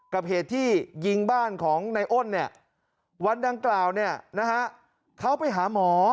เหตุที่ยิงบ้านของในอ้นเนี่ยวันดังกล่าวเขาไปหาหมอ